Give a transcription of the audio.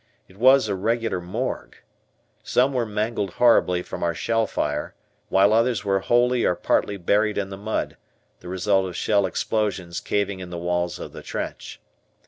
It was a regular morgue. Some were mangled horribly from our shell fire, while others were wholly or partly buried in the mud, the result of shell explosions caving in the walls of the trench.